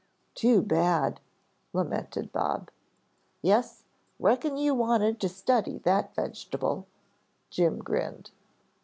"Too bad," lamented Bob. "Yes, reckon you wanted to study that vegetable," Jim grinned.